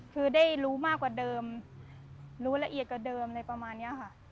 คือได้รู้มากกว่าเดิมรู้ละเอียดกว่าเดิมอะไรประมาณนี้ค่ะ